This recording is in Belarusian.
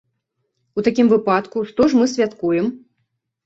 У такім выпадку, што ж мы святкуем?